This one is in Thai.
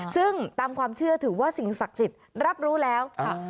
ซึ่งตามความเชื่อถือว่าสิ่งศักดิ์สิทธิ์รับรู้แล้วค่ะ